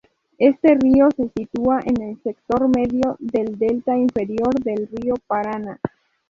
Este río se sitúa en el sector medio del delta inferior del río Paraná.